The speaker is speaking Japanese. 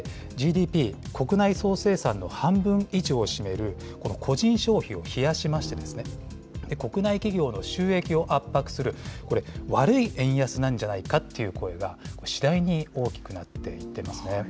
ＧＤＰ・国内総生産の半分以上を占める、この個人消費を冷やしまして、国内企業の収益を圧迫する、これ、悪い円安なんじゃないかという声が次第に大きくなってきています